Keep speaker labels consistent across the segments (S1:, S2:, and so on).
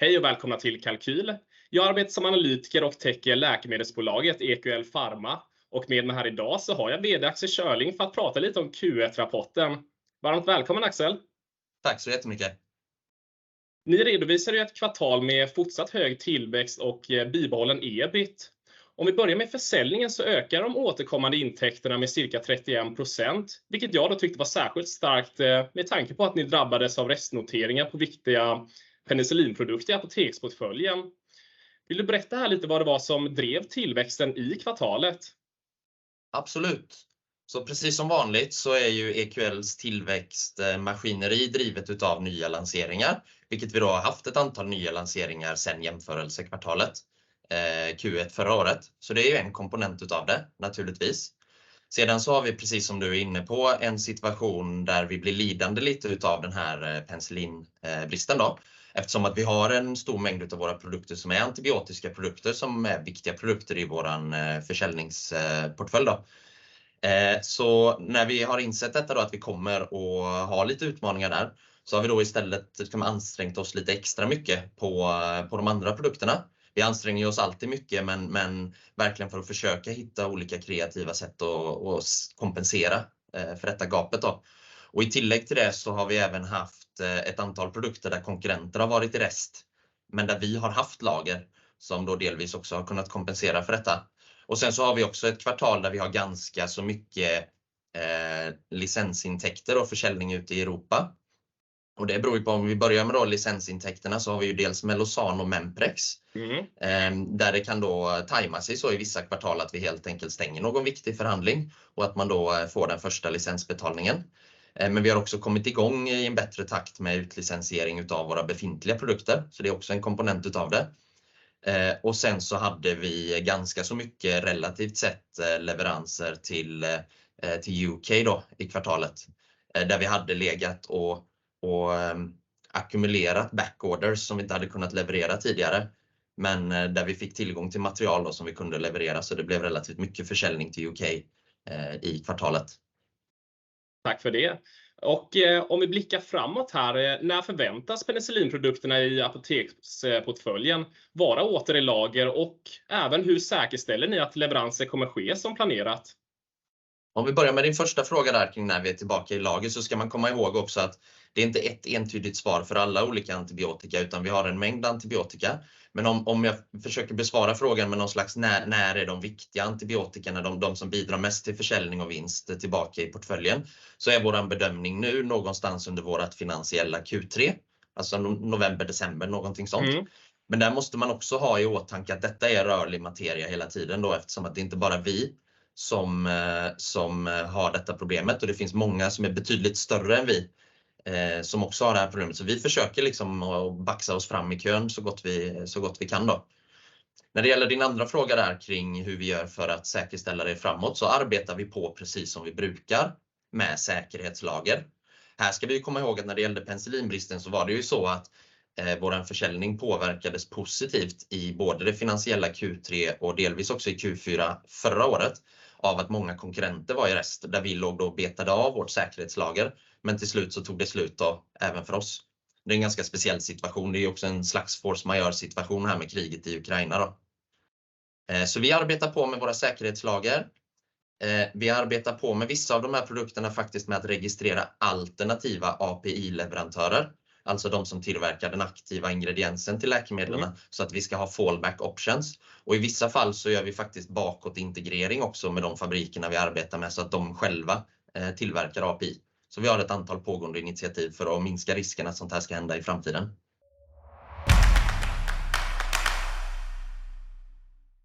S1: Hej och välkomna till Kalkyl! Jag arbetar som analytiker och täcker läkemedelsbolaget EQL Farma och med mig här idag så har jag VD Axel Schörling för att prata lite om Q1-rapporten. Varmt välkommen, Axel!
S2: Tack så jättemycket.
S1: Ni redovisar ju ett kvartal med fortsatt hög tillväxt och bibehållen EBIT. Om vi börjar med försäljningen så ökar de återkommande intäkterna med cirka 31%, vilket jag då tyckte var särskilt starkt med tanke på att ni drabbades av restnoteringar på viktiga penicillinprodukter i apoteksportföljen. Vill du berätta här lite vad det var som drev tillväxten i kvartalet?
S2: Absolut. Precis som vanligt så är ju EQLs tillväxtmaskineri drivet utav nya lanseringar, vilket vi då har haft ett antal nya lanseringar sedan jämförelsekvartalet, Q1 förra året. Det är ju en komponent utav det, naturligtvis. Sedan så har vi, precis som du är inne på, en situation där vi blir lidande lite utav den här penicillinbristen då, eftersom att vi har en stor mängd av våra produkter som är antibiotiska produkter, som är viktiga produkter i vår försäljningsportfölj då. När vi har insett detta då, att vi kommer att ha lite utmaningar där, så har vi då istället kan man ansträngt oss lite extra mycket på de andra produkterna. Vi anstränger oss alltid mycket, men verkligen för att försöka hitta olika kreativa sätt att kompensera för detta gapet då. Och i tillägg till det så har vi även haft ett antal produkter där konkurrenter har varit i rest, men där vi har haft lager som då delvis också har kunnat kompensera för detta. Och sen så har vi också ett kvartal där vi har ganska så mycket licensintäkter och försäljning ute i Europa. Och det beror ju på om vi börjar med då licensintäkterna så har vi ju dels Melozan och Memprex, där det kan då tajma sig så i vissa kvartal att vi helt enkelt stänger någon viktig förhandling och att man då får den första licensbetalningen. Men vi har också kommit igång i en bättre takt med utlicensiering utav våra befintliga produkter, så det är också en komponent utav det. Och sen så hade vi ganska så mycket relativt sett leveranser till UK då i kvartalet, där vi hade legat och ackumulerat backorders som vi inte hade kunnat leverera tidigare, men där vi fick tillgång till material då som vi kunde leverera. Så det blev relativt mycket försäljning till UK i kvartalet.
S1: Tack för det! Och om vi blickar framåt här, när förväntas penicillinprodukterna i apoteksportföljen vara åter i lager och även hur säkerställer ni att leveranser kommer ske som planerat?
S2: Om vi börjar med din första fråga därkring när vi är tillbaka i lager, så ska man komma ihåg också att det är inte ett entydigt svar för alla olika antibiotika, utan vi har en mängd antibiotika. Men om jag försöker besvara frågan med något slags när, när är de viktiga antibiotikorna, de som bidrar mest till försäljning och vinst, tillbaka i portföljen, så är vår bedömning nu någonstans under vårt finansiella Q3, alltså november, december, någonting sånt. Men där måste man också ha i åtanke att detta är rörlig materia hela tiden då, eftersom att det är inte bara vi som har detta problemet och det finns många som är betydligt större än vi som också har det här problemet. Så vi försöker liksom baxa oss fram i kön så gott vi kan då. När det gäller din andra fråga därkring hur vi gör för att säkerställa det framåt, så arbetar vi precis som vi brukar med säkerhetslager. Här ska vi komma ihåg att när det gällde penicillinbristen så var det så att vår försäljning påverkades positivt i både det finansiella Q3 och delvis också i Q4 förra året, av att många konkurrenter var i rest, där vi låg och betade av vårt säkerhetslager, men till slut så tog det slut även för oss. Det är en ganska speciell situation. Det är också en slags force majeure situation här med kriget i Ukraina. Vi arbetar på med våra säkerhetslager. Vi arbetar med vissa av de här produkterna faktiskt med att registrera alternativa API-leverantörer, alltså de som tillverkar den aktiva ingrediensen till läkemedlen, så att vi ska ha fallback options. Och i vissa fall så gör vi faktiskt bakåtintegrering också med de fabrikerna vi arbetar med så att de själva tillverkar API. Så vi har ett antal pågående initiativ för att minska riskerna att sånt här ska hända i framtiden.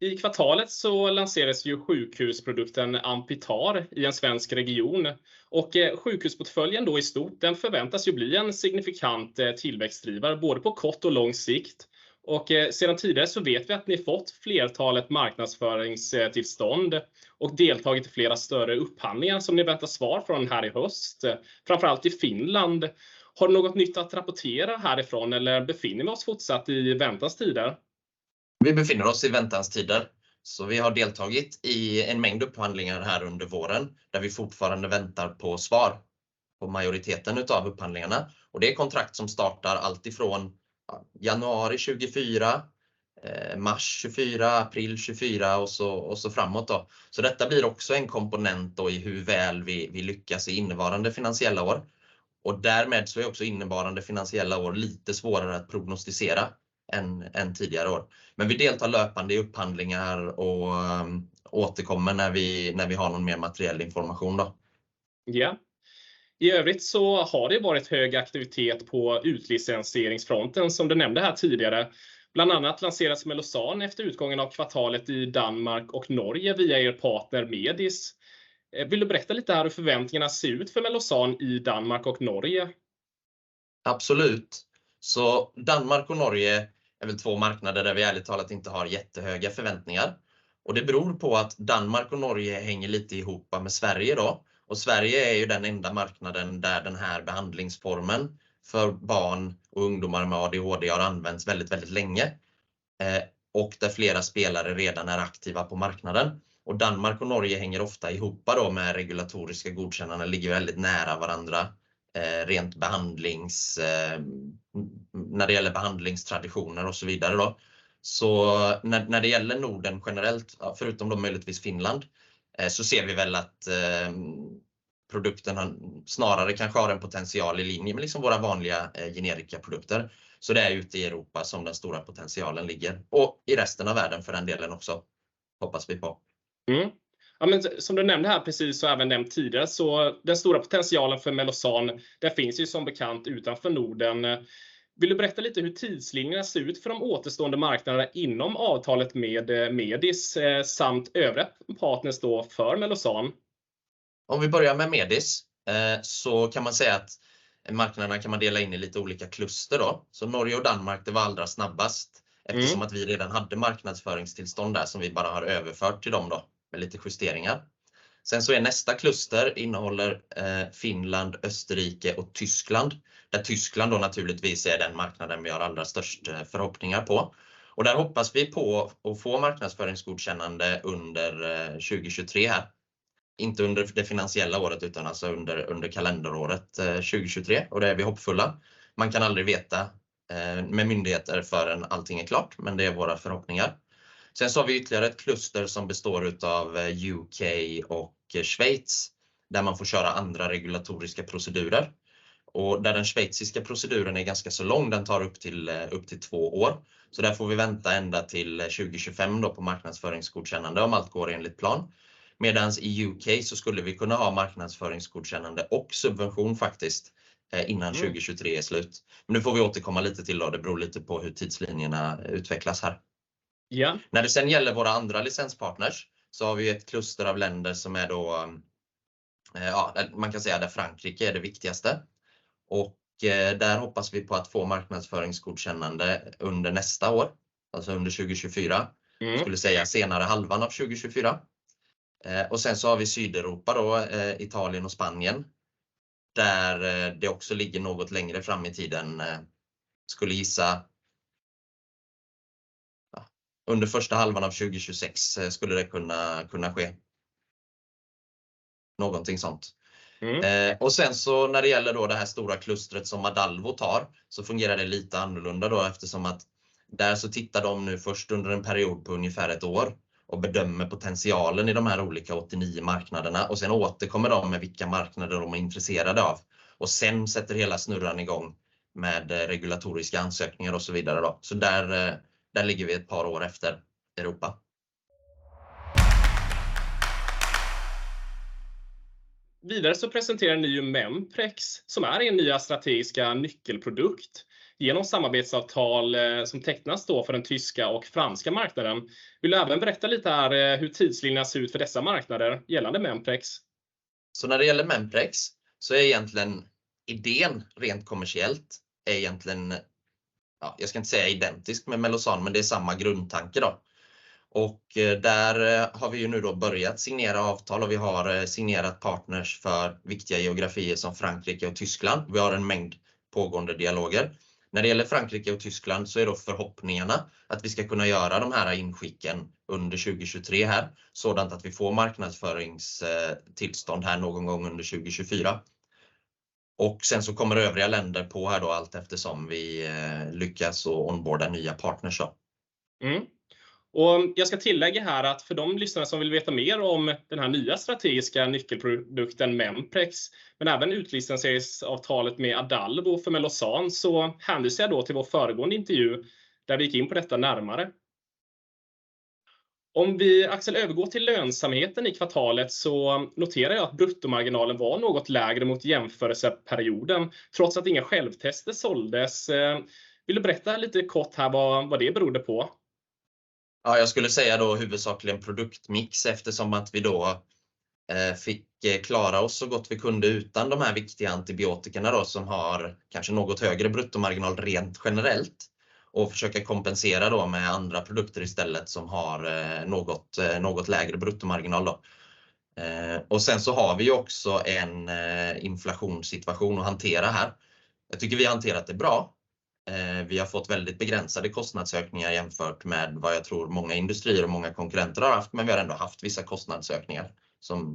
S1: I kvartalet så lanserades ju sjukhusprodukten Ampitar i en svensk region och sjukhusportföljen då i stort, den förväntas ju bli en signifikant tillväxtdrivare, både på kort och lång sikt. Sedan tidigare så vet vi att ni fått flertalet marknadsföringstillstånd och deltagit i flera större upphandlingar som ni väntar svar från här i höst, framför allt i Finland. Har du något nytt att rapportera härifrån eller befinner vi oss fortsatt i väntans tider?
S2: Vi befinner oss i väntans tider, så vi har deltagit i en mängd upphandlingar här under våren, där vi fortfarande väntar på svar på majoriteten av upphandlingarna. Det är kontrakt som startar alltifrån januari 2024, mars 2024, april 2024 och så framåt. Detta blir också en komponent i hur väl vi lyckas i innevarande finansiella år. Därmed är också innevarande finansiella år lite svårare att prognostisera än tidigare år. Men vi deltar löpande i upphandlingar och återkommer när vi har någon mer materiell information.
S1: Ja, i övrigt så har det varit hög aktivitet på utlicensieringsfronten, som du nämnde här tidigare. Bland annat lanseras Melozan efter utgången av kvartalet i Danmark och Norge via er partner Medis. Vill du berätta lite hur förväntningarna ser ut för Melozan i Danmark och Norge?
S2: Absolut. Danmark och Norge är väl två marknader där vi ärligt talat inte har jättehöga förväntningar. Det beror på att Danmark och Norge hänger lite ihop med Sverige då. Sverige är ju den enda marknaden där den här behandlingsformen för barn och ungdomar med ADHD har använts väldigt, väldigt länge. Där flera spelare redan är aktiva på marknaden. Danmark och Norge hänger ofta ihop då med regulatoriska godkännande, ligger väldigt nära varandra rent behandlings, när det gäller behandlingstraditioner och så vidare då. När det gäller Norden generellt, ja förutom då möjligtvis Finland, ser vi väl att produkten har snarare kanske har en potential i linje med liksom våra vanliga generikaprodukter. Det är ute i Europa som den stora potentialen ligger och i resten av världen för den delen också. Hoppas vi på.
S1: Ja, men som du nämnde här precis och även nämnt tidigare, så den stora potentialen för Mellozzan, det finns ju som bekant utanför Norden. Vill du berätta lite hur tidslinjerna ser ut för de återstående marknaderna inom avtalet med Medis samt övriga partners då för Mellozzan?
S2: Om vi börjar med Medis, så kan man säga att marknaderna kan man dela in i lite olika kluster då. Norge och Danmark, det var allra snabbast eftersom att vi redan hade marknadsföringstillstånd där som vi bara har överfört till dem då med lite justeringar. Sen så är nästa kluster innehåller Finland, Österrike och Tyskland, där Tyskland då naturligtvis är den marknaden vi har allra störst förhoppningar på. Där hoppas vi på att få marknadsföringsgodkännande under 2023 här. Inte under det finansiella året, utan alltså under kalenderåret 2023. Det är vi hoppfulla. Man kan aldrig veta med myndigheter förrän allting är klart, men det är våra förhoppningar. Sen så har vi ytterligare ett kluster som består utav UK och Schweiz, där man får köra andra regulatoriska procedurer och där den schweiziska proceduren är ganska så lång, den tar upp till två år. Så där får vi vänta ända till 2025 då på marknadsföringsgodkännande om allt går enligt plan. Medans i UK så skulle vi kunna ha marknadsföringsgodkännande och subvention faktiskt innan 2023 är slut. Nu får vi återkomma lite till då. Det beror lite på hur tidslinjerna utvecklas här.
S1: Ja.
S2: När det sedan gäller våra andra licenspartners så har vi ett kluster av länder som är då, ja, man kan säga där Frankrike är det viktigaste. Och där hoppas vi på att få marknadsföringsgodkännande under nästa år, alltså under 2024.
S1: Mm.
S2: Skulle säga senare halvan av 2024. Sen så har vi Sydeuropa då, Italien och Spanien, där det också ligger något längre fram i tiden. Skulle gissa under första halvan av 2026 skulle det kunna ske. Någonting sådant.
S1: Mm.
S2: Och sen så när det gäller då det här stora klustret som Adalvo tar, så fungerar det lite annorlunda då eftersom att där så tittar de nu först under en period på ungefär ett år och bedömer potentialen i de här olika åttio nio marknaderna och sedan återkommer de med vilka marknader de är intresserade av. Sedan sätter hela snurran i gång med regulatoriska ansökningar och så vidare då. Så där, där ligger vi ett par år efter Europa.
S1: Vidare så presenterar ni ju Memprex som är er nya strategiska nyckelprodukt genom samarbetsavtal som tecknas då för den tyska och franska marknaden. Vill du även berätta lite här hur tidslinjerna ser ut för dessa marknader gällande Memprex?
S2: När det gäller Memprex så är egentligen idén, rent kommersiellt, egentligen, ja, jag ska inte säga identisk med Mellozzan, men det är samma grundtanke då. Där har vi ju nu då börjat signera avtal och vi har signerat partners för viktiga geografier som Frankrike och Tyskland. Vi har en mängd pågående dialoger. När det gäller Frankrike och Tyskland så är då förhoppningarna att vi ska kunna göra de här inskicken under 2023 här, sådant att vi får marknadsföringstillstånd här någon gång under 2024. Sen så kommer övriga länder på här då allt eftersom vi lyckas och onborda nya partners då.
S1: Och jag ska tillägga här att för de lyssnare som vill veta mer om den här nya strategiska nyckelprodukten Memprex, men även utlicensieringsavtalet med Adalvo för Mellozzan, så hänvisar jag då till vår föregående intervju, där vi gick in på detta närmare. Om vi Axel övergår till lönsamheten i kvartalet så noterar jag att bruttomarginalen var något lägre mot jämförelseperioden, trots att inga självtester såldes. Vill du berätta lite kort här vad det berodde på?
S2: Ja, jag skulle säga då huvudsakligen produktmix, eftersom att vi då fick klara oss så gott vi kunde utan de här viktiga antibiotikana då, som har kanske något högre bruttomarginal rent generellt och försöka kompensera då med andra produkter istället som har något lägre bruttomarginal då. Och sen så har vi också en inflationssituation att hantera här. Jag tycker vi hanterat det bra. Vi har fått väldigt begränsade kostnadsökningar jämfört med vad jag tror många industrier och många konkurrenter har haft, men vi har ändå haft vissa kostnadsökningar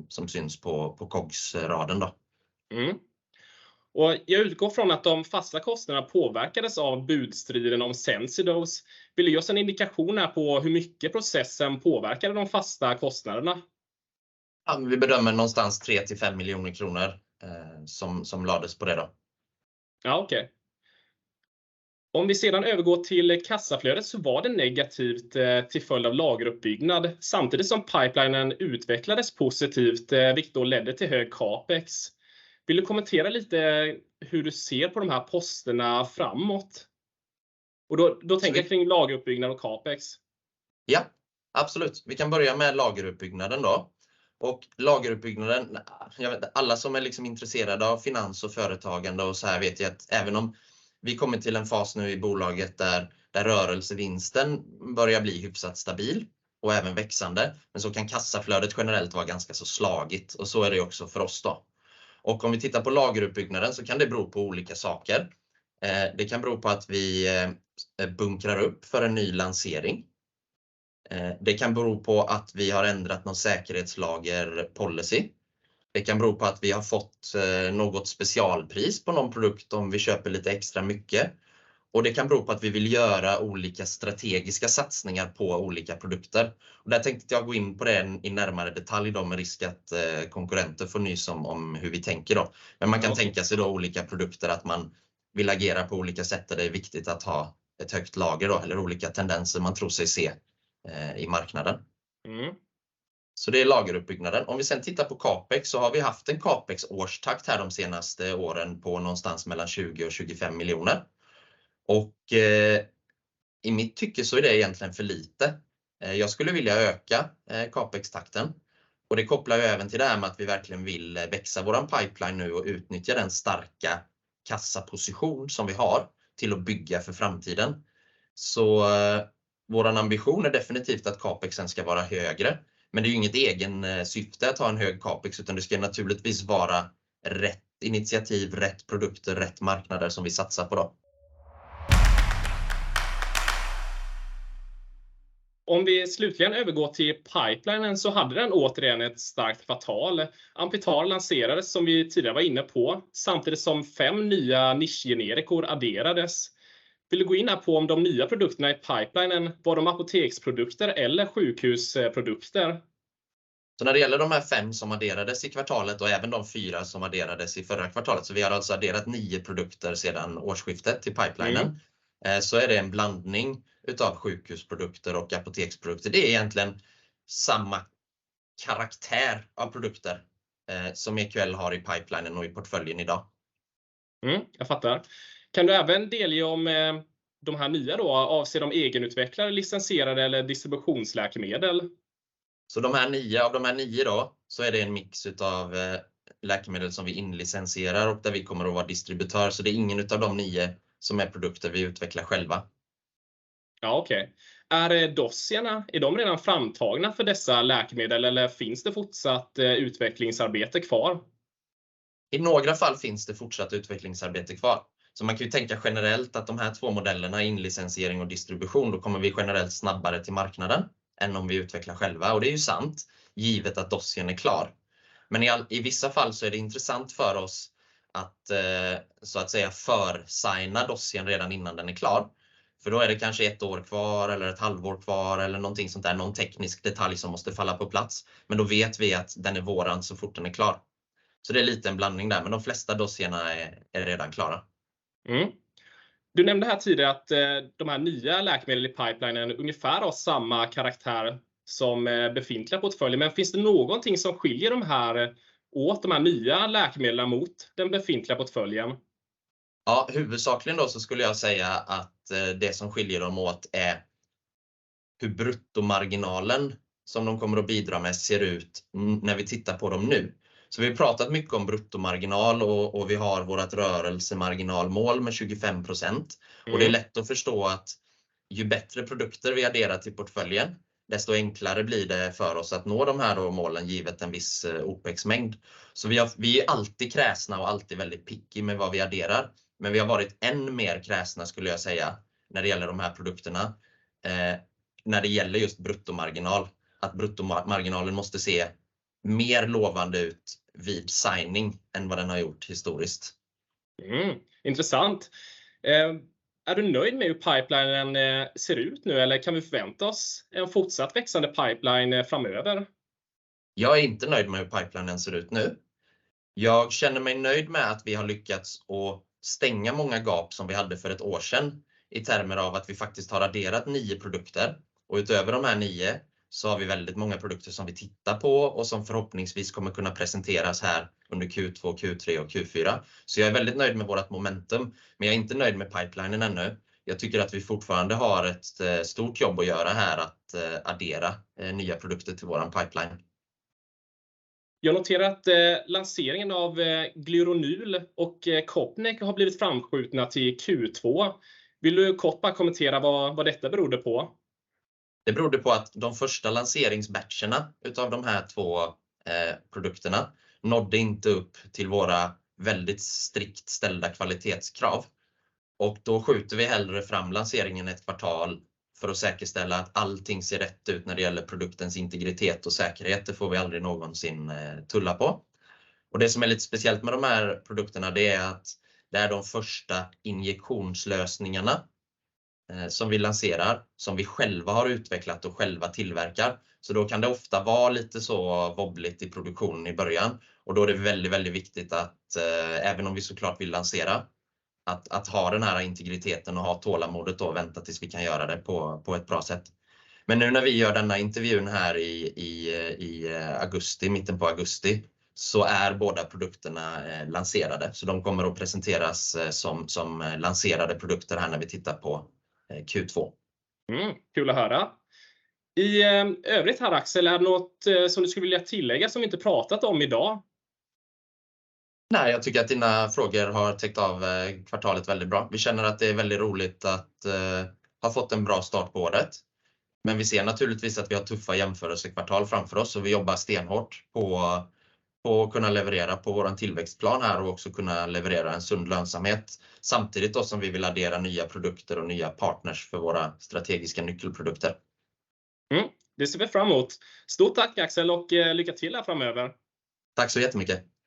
S2: som syns på COGS-raden då.
S1: Och jag utgår från att de fasta kostnaderna påverkades av budstriden om Sensidose. Vill du ge oss en indikation här på hur mycket processen påverkade de fasta kostnaderna?
S2: Ja, vi bedömer någonstans 3-5 miljoner kronor som lades på det då.
S1: Ja, okej. Om vi sedan övergår till kassaflödet så var det negativt till följd av lageruppbyggnad, samtidigt som pipelinen utvecklades positivt, vilket då ledde till hög Capex. Vill du kommentera lite hur du ser på de här posterna framåt? Då tänker jag kring lageruppbyggnad och Capex.
S2: Ja, absolut. Vi kan börja med lageruppbyggnaden då. Lageruppbyggnaden, jag vet, alla som är intresserade av finans och företagande och såhär vet jag att även om vi kommer till en fas nu i bolaget där rörelsevinsten börjar bli hyfsat stabil. Även växande, men så kan kassaflödet generellt vara ganska så slagigt och så är det också för oss då. Om vi tittar på lageruppbyggnaden så kan det bero på olika saker. Det kan bero på att vi bunkrar upp för en ny lansering. Det kan bero på att vi har ändrat någon säkerhetslager policy. Det kan bero på att vi har fått något specialpris på någon produkt om vi köper lite extra mycket. Det kan bero på att vi vill göra olika strategiska satsningar på olika produkter. Där tänkte jag gå in på det i närmare detalj då med risk att konkurrenter får nys om hur vi tänker då. Men man kan tänka sig då olika produkter, att man vill agera på olika sätt. Det är viktigt att ha ett högt lager då, eller olika tendenser man tror sig se i marknaden.
S1: Mm.
S2: Det är lageruppbyggnaden. Om vi sedan tittar på Capex så har vi haft en Capex årstakt här de senaste åren på någonstans mellan 20 och 25 miljoner. Och i mitt tycke så är det egentligen för lite. Jag skulle vilja öka Capex takten och det kopplar ju även till det här med att vi verkligen vill växa vår pipeline nu och utnyttja den starka kassaposition som vi har till att bygga för framtiden. Vår ambition är definitivt att Capex sen ska vara högre, men det är inget egensyfte att ha en hög Capex, utan det ska naturligtvis vara rätt initiativ, rätt produkter, rätt marknader som vi satsar på då.
S1: Om vi slutligen övergår till pipelinen så hade den återigen ett starkt kvartal. Ampital lanserades som vi tidigare var inne på, samtidigt som fem nya nischgenerikor adderades. Vill du gå in här på om de nya produkterna i pipelinen var de apoteksprodukter eller sjukhusprodukter?
S2: När det gäller de här fem som adderades i kvartalet och även de fyra som adderades i förra kvartalet, så vi har alltså adderat nio produkter sedan årsskiftet till pipelinen, så är det en blandning utav sjukhusprodukter och apoteksprodukter. Det är egentligen samma karaktär av produkter som EQL har i pipelinen och i portföljen idag.
S1: Jag förstår. Kan du även delge om de här nya då, avser de egenutvecklare, licenserade eller distributionsläkemedel?
S2: Så de här nya, av de här nya då, så är det en mix av läkemedel som vi inlicensierar och där vi kommer att vara distributör. Det är ingen av de nya som är produkter vi utvecklar själva.
S1: Ja, okej. Är det dossierna? Är de redan framtagna för dessa läkemedel eller finns det fortsatt utvecklingsarbete kvar?
S2: I några fall finns det fortsatt utvecklingsarbete kvar. Man kan ju tänka generellt att de här två modellerna, inlicensiering och distribution, då kommer vi generellt snabbare till marknaden än om vi utvecklar själva. Det är ju sant, givet att dossien är klar. Men i vissa fall så är det intressant för oss att så att säga försigna dossien redan innan den är klar. För då är det kanske ett år kvar eller ett halvår kvar eller någonting sånt där, någon teknisk detalj som måste falla på plats, men då vet vi att den är vår så fort den är klar. Det är en liten blandning där, men de flesta dossierna är redan klara.
S1: Du nämnde här tidigare att de här nya läkemedlen i pipelinen ungefär har samma karaktär som den befintliga portföljen. Men finns det någonting som skiljer de här åt, de här nya läkemedlen mot den befintliga portföljen?
S2: Ja, huvudsakligen då så skulle jag säga att det som skiljer dem åt är hur bruttomarginalen som de kommer att bidra med ser ut när vi tittar på dem nu. Vi har pratat mycket om bruttomarginal och vi har vårt rörelsemarginalmål med 25%. Det är lätt att förstå att ju bättre produkter vi adderar till portföljen, desto enklare blir det för oss att nå de här målen, givet en viss Opex-mängd. Vi är alltid kräsna och alltid väldigt pickig med vad vi adderar, men vi har varit än mer kräsna skulle jag säga, när det gäller de här produkterna, när det gäller just bruttomarginal. Bruttomarginalen måste se mer lovande ut vid signing än vad den har gjort historiskt.
S1: Intressant! Är du nöjd med hur pipelinen ser ut nu eller kan vi förvänta oss en fortsatt växande pipeline framöver?
S2: Jag är inte nöjd med hur pipelinen ser ut nu. Jag känner mig nöjd med att vi har lyckats att stänga många gap som vi hade för ett år sedan, i termer av att vi faktiskt har adderat nio produkter och utöver de här nio så har vi väldigt många produkter som vi tittar på och som förhoppningsvis kommer kunna presenteras här under Q2, Q3 och Q4. Jag är väldigt nöjd med vårt momentum, men jag är inte nöjd med pipelinen ännu. Jag tycker att vi fortfarande har ett stort jobb att göra här, att addera nya produkter till vår pipeline.
S1: Jag noterar att lanseringen av Glyronul och Copnek har blivit framskjutna till Q2. Vill du kort bara kommentera vad detta berodde på?
S2: Det berodde på att de första lanseringsbatcherna av de här två produkterna nådde inte upp till våra väldigt strikt ställda kvalitetskrav och då skjuter vi hellre fram lanseringen ett kvartal för att säkerställa att allting ser rätt ut när det gäller produktens integritet och säkerhet. Det får vi aldrig någonsin tulla på. Det som är lite speciellt med de här produkterna, det är att det är de första injektionslösningarna som vi lanserar, som vi själva har utvecklat och själva tillverkar. Då kan det ofta vara lite så vobbligt i produktionen i början och då är det väldigt, väldigt viktigt att även om vi så klart vill lansera, att ha den här integriteten och ha tålamodet och vänta tills vi kan göra det på ett bra sätt. Men nu när vi gör denna intervjun här i augusti, mitten på augusti, så är båda produkterna lanserade, så de kommer att presenteras som lanserade produkter här när vi tittar på Q2.
S1: Kul att höra! I övrigt här, Axel, är det något som du skulle vilja tillägga som vi inte pratat om idag?
S2: Nej, jag tycker att dina frågor har täckt av kvartalet väldigt bra. Vi känner att det är väldigt roligt att ha fått en bra start på året, men vi ser naturligtvis att vi har tuffa jämförelsekvartal framför oss och vi jobbar stenhårt på att kunna leverera på vår tillväxtplan här och också kunna leverera en sund lönsamhet. Samtidigt då som vi vill addera nya produkter och nya partners för våra strategiska nyckelprodukter.
S1: Mm, det ser vi fram emot. Stort tack, Axel, och lycka till här framöver.
S2: Tack så jättemycket!